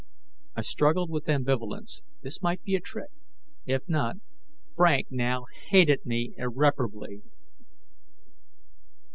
I struggled with ambivalence. This might be a trick; if not, Frank now hated me irreparably.